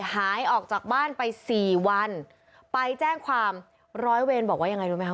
หายออกจากบ้านไปสี่วันไปแจ้งความร้อยเวรบอกว่ายังไงรู้ไหมค